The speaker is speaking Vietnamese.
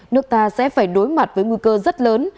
nước ta sẽ phải đối mặt với nguy cơ rất lớn